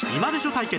対決